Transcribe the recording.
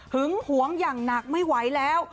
หวงอย่างหนักไม่ไหวแล้ว